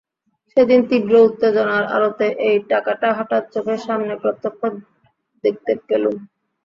সেদিন তীব্র উত্তেজনার আলোতে এই টাকাটা হঠাৎ চোখের সামনে প্রত্যক্ষ দেখতে পেলুম।